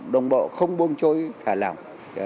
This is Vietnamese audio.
đồng bộ không buông trôi thả lỏng